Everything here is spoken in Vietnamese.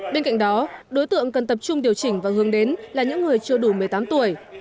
bên cạnh đó đối tượng cần tập trung điều chỉnh và hướng đến là những người chưa đủ một mươi tám tuổi